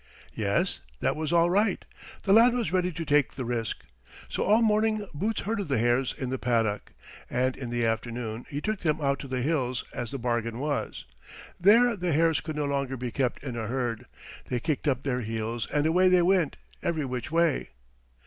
Yes, that was all right. The lad was ready to take the risk, so all morning Boots herded the hares in the paddock, and in the afternoon he took them out to the hills, as the bargain was. There the hares could no longer be kept in a herd. They kicked up their heels and away they went, every which way.